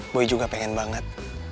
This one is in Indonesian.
boy juga pengen banget